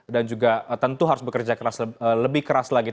dan juga tentu harus bekerja lebih keras lagi